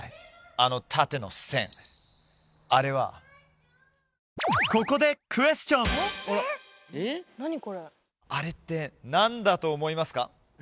あの縦の線あれはここであれって何だと思いますか？